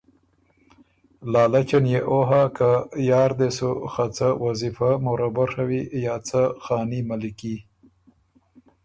لالچ ان يې او هۀ که یا ر دې سُو خه څه وظیفۀ مربع ڒوی یا څه خاني مَلِکي۔